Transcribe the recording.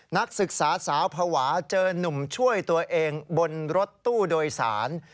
นักศึกษาสาวภาวะเจอนุ่มช่วยตัวเองบนรถตู้โดยสาร